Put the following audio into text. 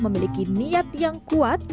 memiliki niat yang kuat